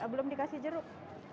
belum dikasih jeruk